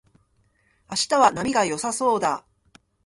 明日は波が良さそうだ